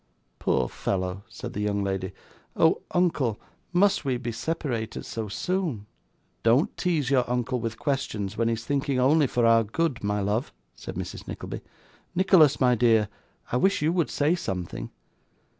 'Poor fellow!' said the young lady. 'Oh! uncle, must we be separated so soon!' 'Don't tease your uncle with questions when he is thinking only for our good, my love,' said Mrs. Nickleby. 'Nicholas, my dear, I wish you would say something.